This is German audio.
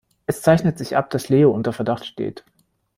Es zeichnet sich ab, dass Leo unter Verdacht steht.